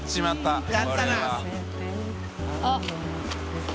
あっ。